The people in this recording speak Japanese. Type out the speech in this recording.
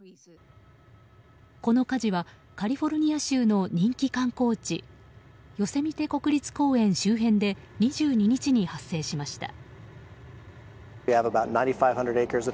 この火事はカリフォルニア州の人気観光地ヨセミテ国立公園周辺で２２日に発生しました。